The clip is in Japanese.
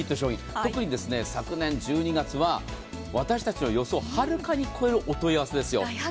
特に昨年１２月は私たちの予想をはるかに超えるお問い合わせです。